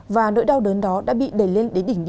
và nỗi đau đớn đó đã bị đẩy lên